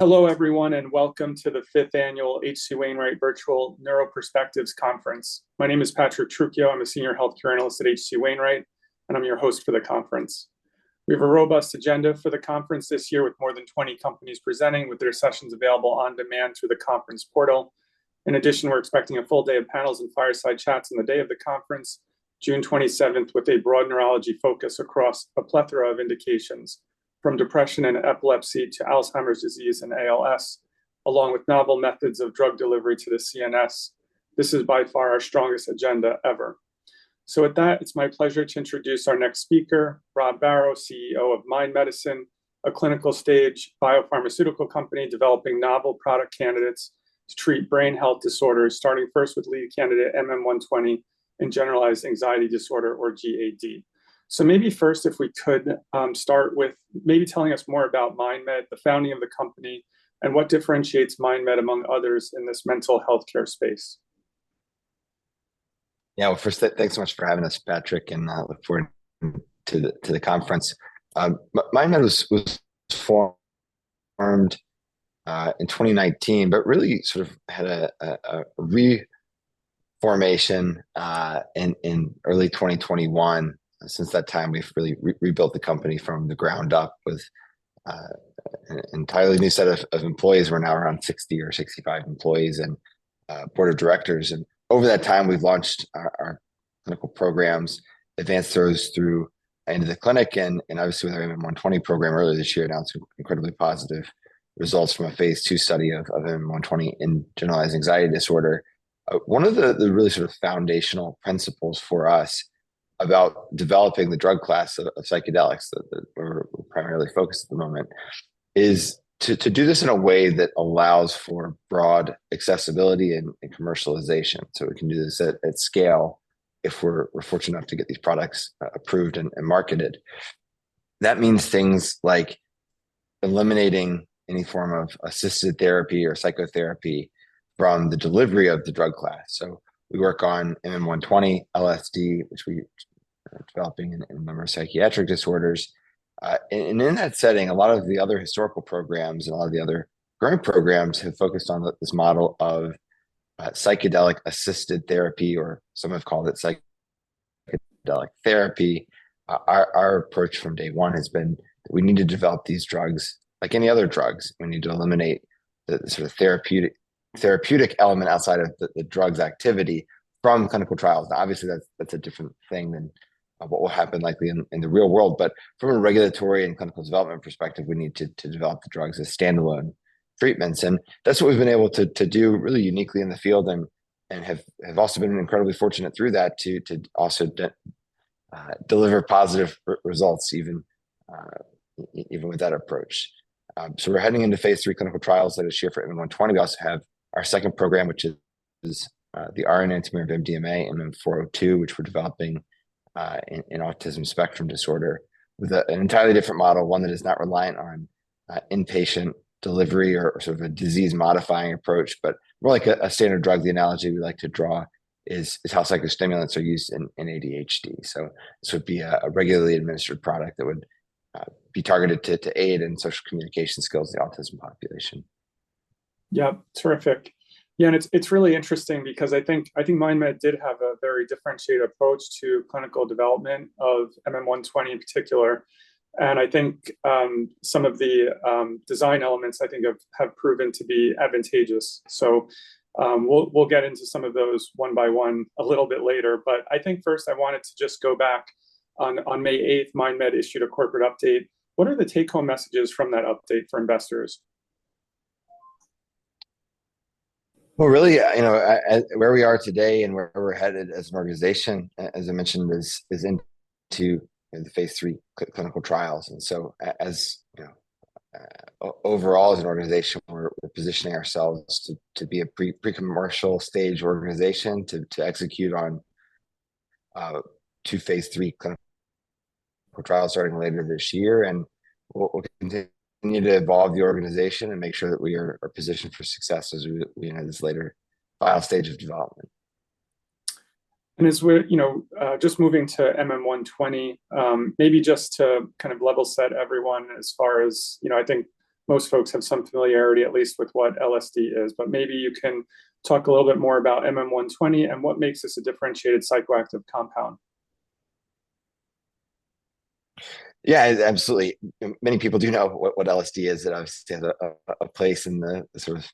Hello, everyone, and welcome to the fifth annual HC Wainwright Virtual Neuro Perspectives Conference. My name is Patrick Trucchio. I'm a senior healthcare analyst at HC Wainwright, and I'm your host for the conference. We have a robust agenda for the conference this year, with more than 20 companies presenting, with their sessions available on demand through the conference portal. In addition, we're expecting a full day of panels and fireside chats on the day of the conference, June 27th, with a broad neurology focus across a plethora of indications, from depression and epilepsy to Alzheimer's disease and ALS, along with novel methods of drug delivery to the CNS. This is by far our strongest agenda ever. So with that, it's my pleasure to introduce our next speaker, Rob Barrow, CEO of Mind Medicine, a clinical stage biopharmaceutical company developing novel product candidates to treat brain health disorders, starting first with lead candidate MM120, and generalized anxiety disorder, or GAD. So maybe first, if we could, start with maybe telling us more about MindMed, the founding of the company, and what differentiates MindMed among others in this mental healthcare space. Yeah. Well, first, thanks so much for having us, Patrick, and I look forward to the conference. MindMed was formed in 2019, but really sort of had a reformation in early 2021. Since that time, we've really rebuilt the company from the ground up with an entirely new set of employees. We're now around 60 or 65 employees, and board of directors, and over that time, we've launched our clinical programs, advanced those through into the clinic, and obviously with our MM120 program earlier this year, announced incredibly positive results from a phase II study of MM120 in generalized anxiety disorder. One of the really sort of foundational principles for us about developing the drug class of psychedelics that we're primarily focused at the moment is to do this in a way that allows for broad accessibility and commercialization. So we can do this at scale if we're fortunate enough to get these products approved and marketed. That means things like eliminating any form of assisted therapy or psychotherapy from the delivery of the drug class. So we work on MM120, LSD, which we are developing in a number of psychiatric disorders. In that setting, a lot of the other historical programs and a lot of the other growing programs have focused on this model of psychedelic-assisted therapy, or some have called it psychedelic therapy. Our approach from day one has been that we need to develop these drugs like any other drugs. We need to eliminate the sort of therapeutic element outside of the drug's activity from clinical trials. Now, obviously, that's a different thing than what will happen likely in the real world, but from a regulatory and clinical development perspective, we need to develop the drugs as standalone treatments. And that's what we've been able to do really uniquely in the field, and have also been incredibly fortunate through that to deliver positive results, even even with that approach. So we're heading into phase III clinical trials later this year for MM120. We also have our second program, which is the R enantiomer of MDMA, MM402, which we're developing in autism spectrum disorder, with an entirely different model, one that is not reliant on inpatient delivery or sort of a disease-modifying approach, but more like a standard drug. The analogy we like to draw is how psychostimulants are used in ADHD. So this would be a regularly administered product that would be targeted to aid in social communication skills in the autism population. Yeah, terrific. Yeah, and it's really interesting because I think MindMed did have a very differentiated approach to clinical development of MM120 in particular, and I think some of the design elements, I think, have proven to be advantageous. So, we'll get into some of those one by one a little bit later. But I think first I wanted to just go back. On May 8th, MindMed issued a corporate update. What are the take-home messages from that update for investors? Well, really, you know, where we are today and where we're headed as an organization, as I mentioned, is into the phase III clinical trials, and so as, you know, overall as an organization, we're positioning ourselves to be a pre-commercial stage organization, to execute on two phase III clinical trials starting later this year, and we'll continue to evolve the organization and make sure that we are positioned for success as we enter this later final stage of development. And as we're, you know, just moving to MM120, maybe just to kind of level set everyone as far as... You know, I think most folks have some familiarity, at least, with what LSD is, but maybe you can talk a little bit more about MM120 and what makes this a differentiated psychoactive compound. Yeah, absolutely. Many people do know what LSD is. It obviously has a place in the sort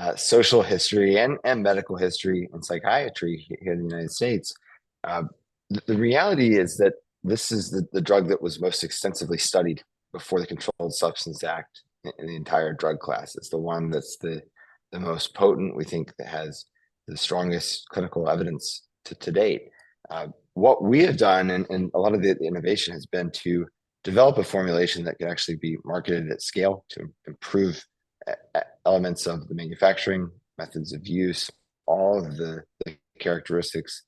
of social history and medical history and psychiatry here in the United States. The reality is that this is the drug that was most extensively studied before the Controlled Substances Act in the entire drug class. It's the one that's the most potent, we think that has the strongest clinical evidence to date. What we have done, and a lot of the innovation, has been to develop a formulation that can actually be marketed at scale to improve elements of the manufacturing, methods of use, all of the characteristics,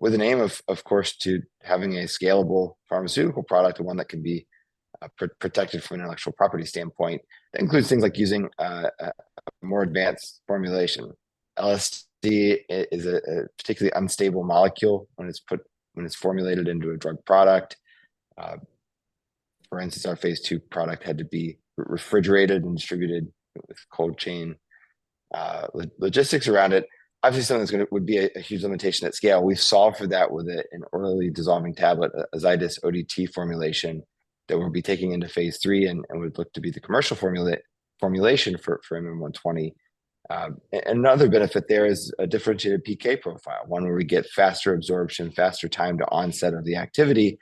with an aim of course to having a scalable pharmaceutical product and one that can be protected from an intellectual property standpoint. That includes things like using a more advanced formulation. LSD is a particularly unstable molecule when it's formulated into a drug product. For instance, our phase II product had to be refrigerated and distributed with cold chain. Logistics around it, obviously something that would be a huge limitation at scale. We've solved for that with an orally dissolving tablet, a Zydis ODT formulation, that we'll be taking into phase III and would look to be the commercial formulation for MM120. Another benefit there is a differentiated PK profile, one where we get faster absorption, faster time to onset of the activity,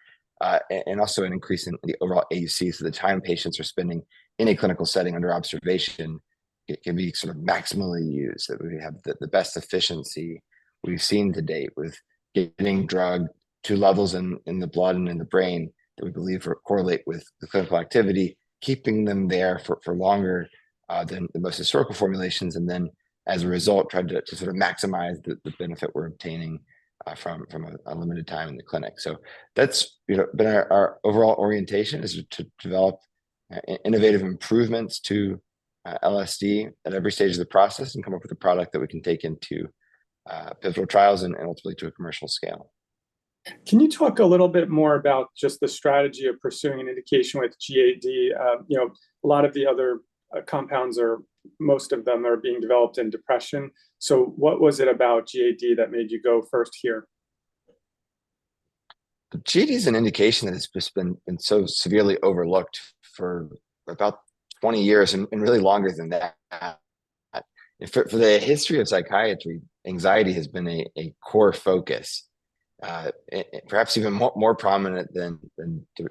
and also an increase in the overall AUC. So the time patients are spending in a clinical setting under observation, it can be sort of maximally used, so we have the best efficiency we've seen to date with getting drug to levels in the blood and in the brain that we believe correlate with the clinical activity, keeping them there for longer than the most historical formulations, and then, as a result, trying to sort of maximize the benefit we're obtaining from a limited time in the clinic. So that's, you know, been our overall orientation is to develop innovative improvements to LSD at every stage of the process, and come up with a product that we can take into pivotal trials and ultimately to a commercial scale. Can you talk a little bit more about just the strategy of pursuing an indication with GAD? You know, a lot of the other compounds are, most of them are being developed in depression. So what was it about GAD that made you go first here? GAD is an indication that has just been so severely overlooked for about 20 years, and really longer than that. For the history of psychiatry, anxiety has been a core focus, perhaps even more prominent than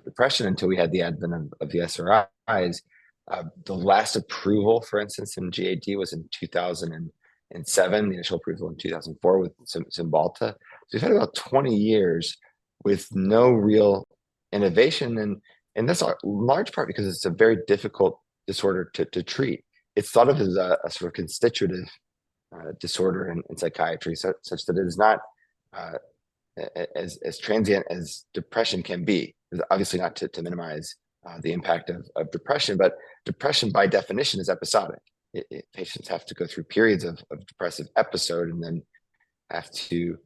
depression until we had the advent of the SRIs. The last approval, for instance, in GAD, was in 2007, the initial approval in 2004 with Cymbalta. So we've had about 20 years with no real innovation, and that's a large part because it's a very difficult disorder to treat. It's thought of as a sort of constitutive disorder in psychiatry, such that it is not as transient as depression can be. Obviously not to minimize the impact of depression, but depression, by definition, is episodic. Patients have to go through periods of depressive episode and then have to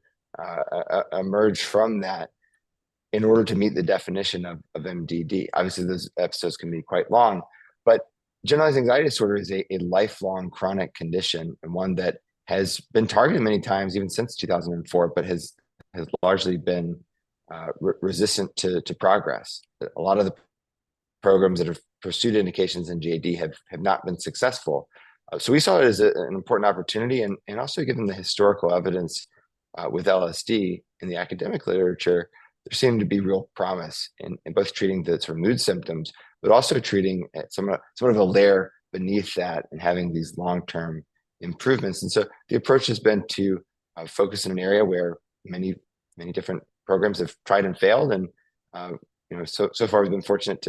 emerge from that in order to meet the definition of MDD. Obviously, those episodes can be quite long, but generalized anxiety disorder is a lifelong chronic condition and one that has been targeted many times, even since 2004, but has largely been resistant to progress. A lot of the programs that have pursued indications in GAD have not been successful. So we saw it as an important opportunity and also given the historical evidence with LSD in the academic literature, there seemed to be real promise in both treating the sort of mood symptoms, but also treating at some of the sort of a layer beneath that and having these long-term improvements. The approach has been to focus in an area where many, many different programs have tried and failed. You know, so far, we've been fortunate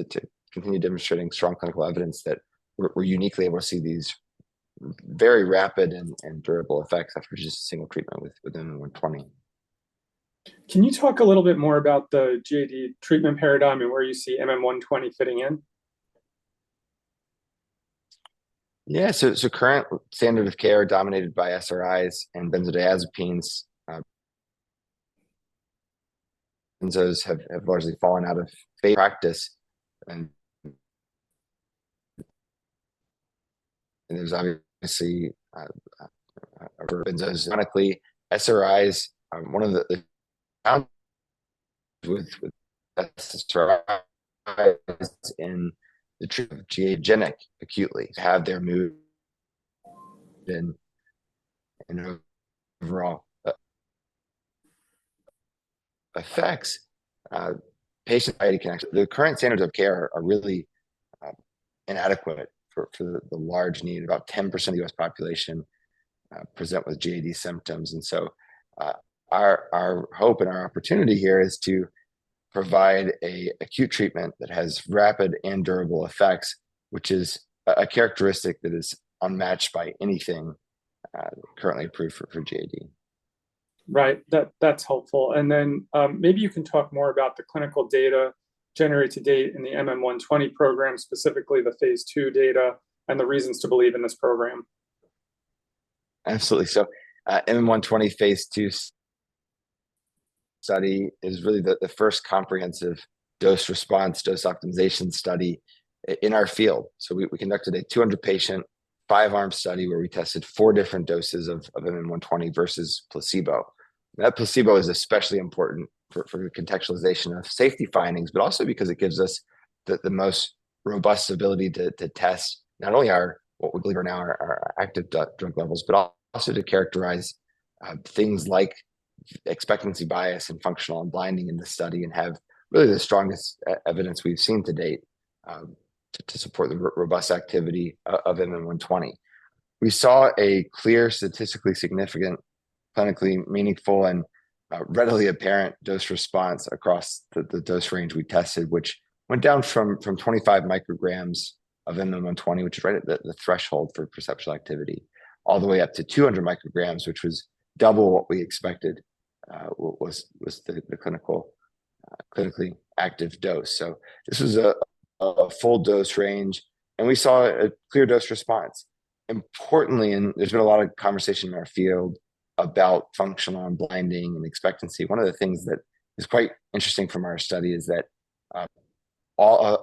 to continue demonstrating strong clinical evidence that we're uniquely able to see these very rapid and durable effects after just a single treatment with MM120. Can you talk a little bit more about the GAD treatment paradigm and where you see MM120 fitting in? Yeah. So current standard of care dominated by SRIs and benzodiazepines. Benzos have largely fallen out of practice, and there's obviously benzodiazepines, SRIs, one of the in the treatment of GAD. Benzodiazepines acutely have their mood and overall effects. Patient anxiety can actually, the current standards of care are really inadequate for the large need. About 10% of the U.S. population present with GAD symptoms, and so our hope and our opportunity here is to provide an acute treatment that has rapid and durable effects, which is a characteristic that is unmatched by anything currently approved for GAD. Right. That, that's helpful. And then, maybe you can talk more about the clinical data generated to date in the MM120 program, specifically the phase II data and the reasons to believe in this program. Absolutely. So, MM120 phase II study is really the first comprehensive dose-response, dose optimization study in our field. So we conducted a 200-patient, 5-arm study, where we tested 4 different doses of MM120 versus placebo. That placebo is especially important for contextualization of safety findings, but also because it gives us the most robust ability to test not only our, what we believe are now our active drug levels, but also to characterize things like expectancy bias and functional unblinding in the study, and have really the strongest evidence we've seen to date to support the robust activity of MM120. We saw a clear, statistically significant, clinically meaningful, and readily apparent dose-response across the dose range we tested, which went down from 25 micrograms of MM120, which is right at the threshold for perceptual activity, all the way up to 200 micrograms, which was double what we expected, a clinically active dose. So this is a full dose range, and we saw a clear dose-response. Importantly, and there's been a lot of conversation in our field about functional unblinding and expectancy, one of the things that is quite interesting from our study is that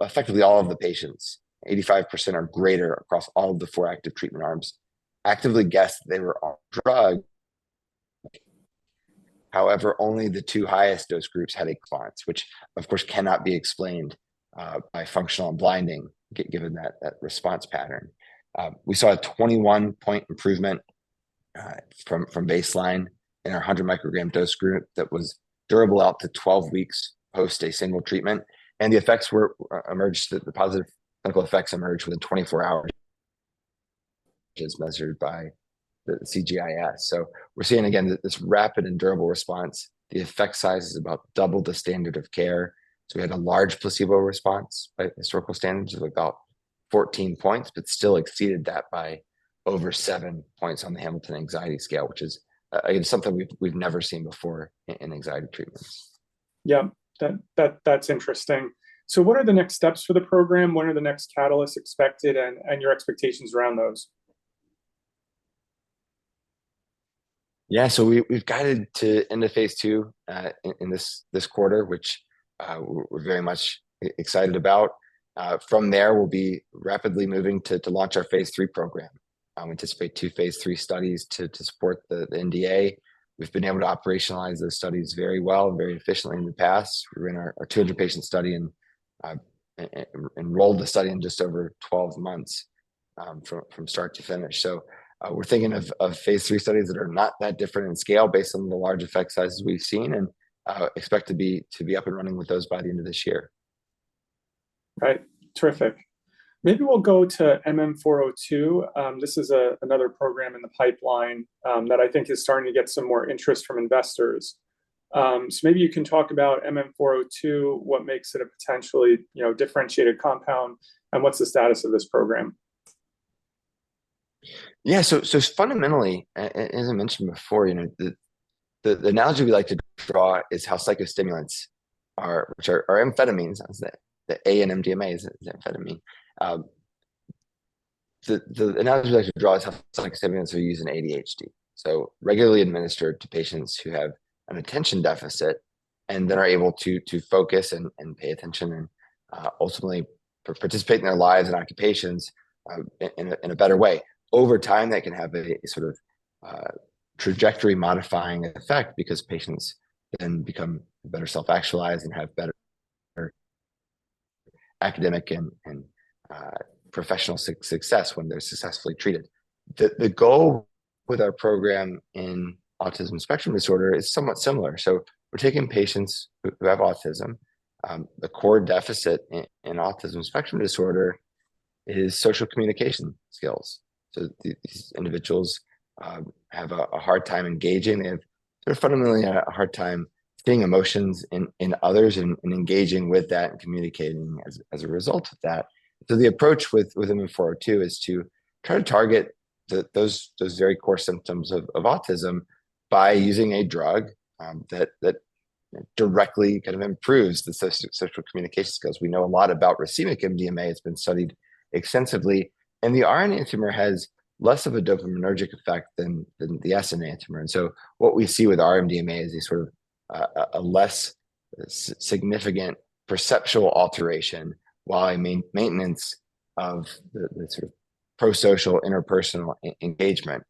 effectively all of the patients, 85% or greater across all of the four active treatment arms, actively guessed they were on drug. However, only the two highest dose groups had a response, which of course, cannot be explained by functional unblinding given that response pattern. We saw a 21-point improvement from baseline in our 100 microgram dose group that was durable out to 12 weeks post a single treatment, and the effects were emerged, the positive clinical effects emerged within 24 hours, which is measured by the CGI-S. So we're seeing again this rapid and durable response. The effect size is about double the standard of care, so we had a large placebo response by historical standards of about 14 points, but still exceeded that by over 7 points on the Hamilton Anxiety Scale, which is something we've never seen before in anxiety treatment. Yeah, that's interesting. So what are the next steps for the program? When are the next catalysts expected, and your expectations around those? Yeah, so we've guided into phase II in this quarter, which we're very much excited about. From there, we'll be rapidly moving to launch our phase III program. I anticipate two phase III studies to support the NDA. We've been able to operationalize those studies very well and very efficiently in the past. We were in our 200-patient study and enrolled the study in just over 12 months from start to finish. So, we're thinking of phase III studies that are not that different in scale based on the large effect sizes we've seen, and expect to be up and running with those by the end of this year. Right. Terrific. Maybe we'll go to MM-402. This is another program in the pipeline that I think is starting to get some more interest from investors. So maybe you can talk about MM-402, what makes it a potentially, you know, differentiated compound, and what's the status of this program? Yeah. So, so fundamentally, as I mentioned before, you know, the analogy we like to draw is how psychostimulants are, which are amphetamines, as the A in MDMA is amphetamine. So the analogy I like to draw is how psychostimulants are used in ADHD, so regularly administered to patients who have an attention deficit and then are able to focus and pay attention, and in a better way. Over time, they can have a sort of trajectory modifying effect because patients then become better self-actualized and have better academic and professional success when they're successfully treated. The goal with our program in autism spectrum disorder is somewhat similar. So we're taking patients who have autism. The core deficit in autism spectrum disorder is social communication skills, so these individuals have a hard time engaging and sort of fundamentally a hard time seeing emotions in others and engaging with that and communicating as a result of that. So the approach with MM-402 is to try to target those very core symptoms of autism by using a drug that directly kind of improves the social communication skills. We know a lot about racemic MDMA. It's been studied extensively, and the R enantiomer has less of a dopaminergic effect than the S enantiomer. And so what we see with R MDMA is a sort of a less significant perceptual alteration, while maintenance of the sort of prosocial interpersonal engagement.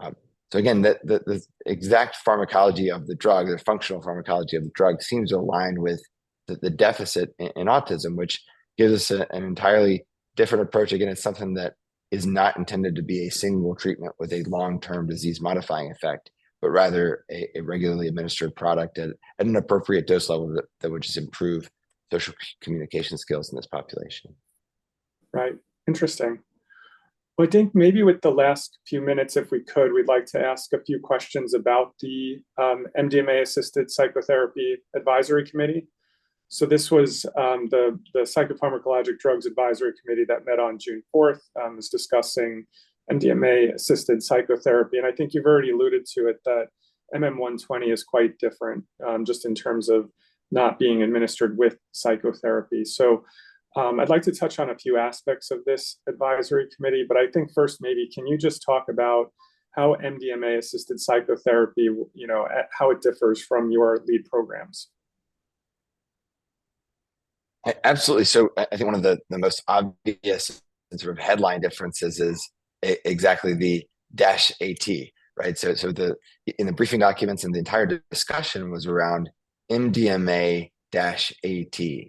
So again, the exact pharmacology of the drug, the functional pharmacology of the drug seems aligned with the deficit in autism, which gives us an entirely different approach. Again, it's something that is not intended to be a single treatment with a long-term disease-modifying effect, but rather a regularly administered product at an appropriate dose level that would just improve social communication skills in this population. Right. Interesting. Well, I think maybe with the last few minutes, if we could, we'd like to ask a few questions about the MDMA-assisted psychotherapy Advisory Committee. So this was the Psychopharmacologic Drugs Advisory Committee that met on June 4th was discussing MDMA-assisted psychotherapy, and I think you've already alluded to it, that MM120 is quite different just in terms of not being administered with psychotherapy. So I'd like to touch on a few aspects of this advisory committee, but I think first, maybe, can you just talk about how MDMA-assisted psychotherapy, you know, how it differs from your lead programs? Absolutely. So I think one of the most obvious sort of headline differences is exactly the dash AT, right? So the, in the briefing documents, and the entire discussion was around MDMA-AT,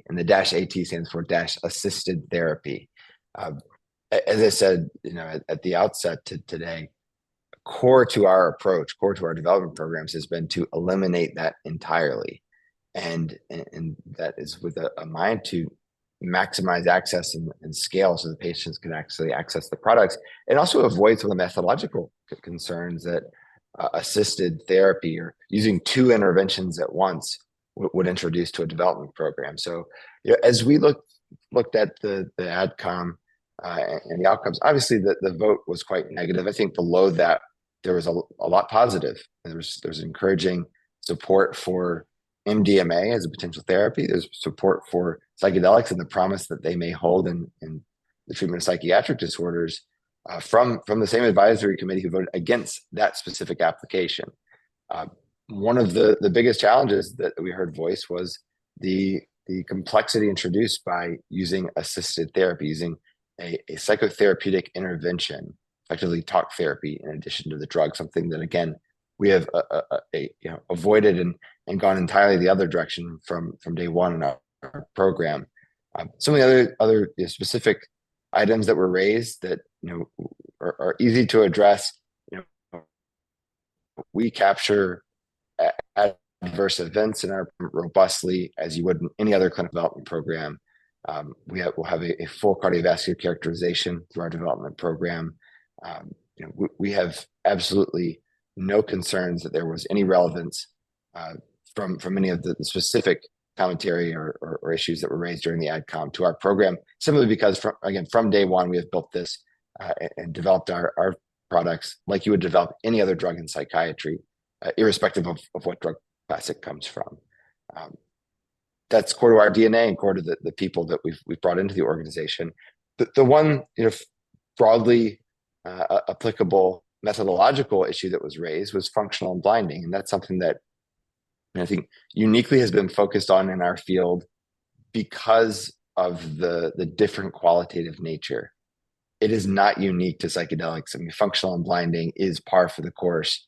and the dash AT stands for dash Assisted Therapy. As I said, you know, at the outset to today, core to our approach, core to our development programs, has been to eliminate that entirely, and that is with a mind to maximize access and scale so the patients can actually access the products, and also avoid some of the methodological concerns that assisted therapy or using two interventions at once would introduce to a development program. So, you know, as we looked at the AdCom and the outcomes, obviously, the vote was quite negative. I think below that, there was a lot positive, and there was encouraging support for MDMA as a potential therapy. There's support for psychedelics and the promise that they may hold in the treatment of psychiatric disorders from the same advisory committee who voted against that specific application. One of the biggest challenges that we heard voiced was the complexity introduced by using assisted therapy, using a psychotherapeutic intervention, effectively talk therapy, in addition to the drug, something that, again, we have, you know, avoided and gone entirely the other direction from day one in our program. Some of the other specific items that were raised that, you know, are easy to address, you know, we capture adverse events robustly, as you would in any other clinical development program. We'll have a full cardiovascular characterization through our development program. You know, we have absolutely no concerns that there was any relevance from any of the specific commentary or issues that were raised during the AdCom to our program. Similarly, because again, from day one, we have built this and developed our products like you would develop any other drug in psychiatry, irrespective of what drug class comes from. That's core to our DNA and core to the people that we've brought into the organization. The one, you know, broadly applicable methodological issue that was raised was functional unblinding, and that's something that I think uniquely has been focused on in our field because of the different qualitative nature. It is not unique to psychedelics. I mean, functional unblinding is par for the course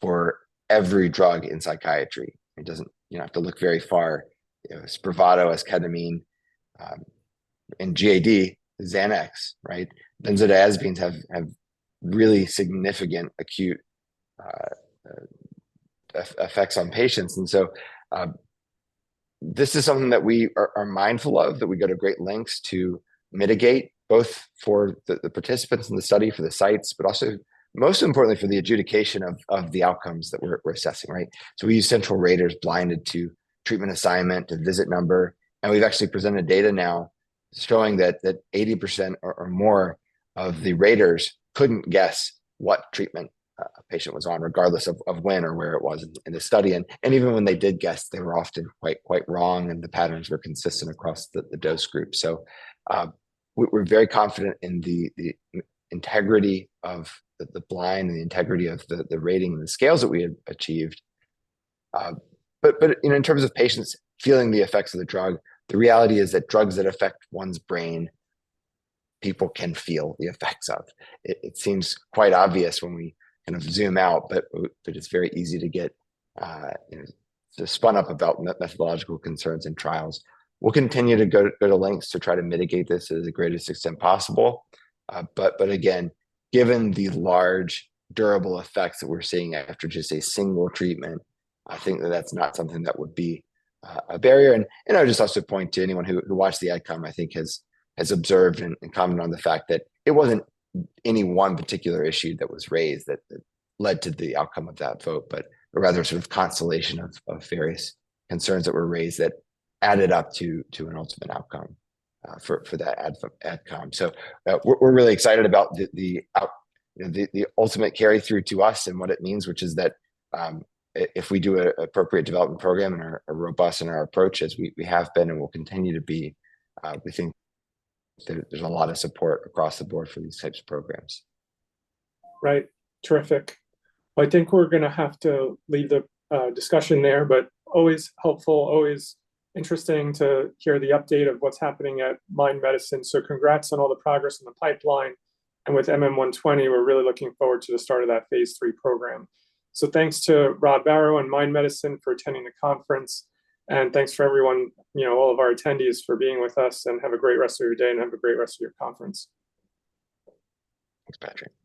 for every drug in psychiatry. It doesn't. You don't have to look very far, you know, Spravato has ketamine, and GAD, Xanax, right? Benzodiazepines have really significant acute effects on patients. And so, this is something that we are mindful of, that we go to great lengths to mitigate, both for the participants in the study, for the sites, but also most importantly, for the adjudication of the outcomes that we're assessing, right? So we use central raters blinded to treatment assignment and visit number, and we've actually presented data now showing that 80% or more of the raters couldn't guess what treatment a patient was on, regardless of when or where it was in the study. And even when they did guess, they were often quite wrong, and the patterns were consistent across the dose group. So, we're very confident in the integrity of the blind and the integrity of the rating and the scales that we had achieved. But, you know, in terms of patients feeling the effects of the drug, the reality is that drugs that affect one's brain, people can feel the effects of. It seems quite obvious when we kind of zoom out, but it's very easy to get, you know, just spun up about methodological concerns and trials. We'll continue to go to lengths to try to mitigate this to the greatest extent possible. But again, given the large, durable effects that we're seeing after just a single treatment, I think that's not something that would be a barrier. And, you know, I'd just also point to anyone who watched the AdCom; I think has observed and commented on the fact that it wasn't any one particular issue that was raised that led to the outcome of that vote, but rather a sort of constellation of various concerns that were raised that added up to an ultimate outcome for that AdCom. So, we're really excited about, you know, the ultimate carry-through to us and what it means, which is that, if we do a appropriate development program and are robust in our approach as we have been and will continue to be, we think there's a lot of support across the board for these types of programs. Right. Terrific. Well, I think we're gonna have to leave the discussion there, but always helpful, always interesting to hear the update of what's happening at Mind Medicine. So congrats on all the progress in the pipeline, and with MM120, we're really looking forward to the start of that phase III program. So thanks to Rob Barrow and Mind Medicine for attending the conference, and thanks for everyone, you know, all of our attendees for being with us, and have a great rest of your day, and have a great rest of your conference. Thanks, Patrick.